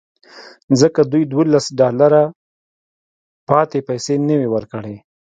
ځکه دوی دولس ډالره پاتې پیسې نه وې ورکړې